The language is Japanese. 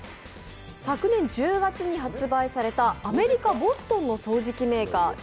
昨年１０月に発売された、アメリカボストンの掃除機メーカー